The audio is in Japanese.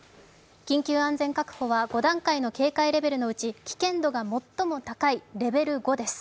緊急安全確保は５段階の警戒レベルのうち危険度が最も高いレベル５です。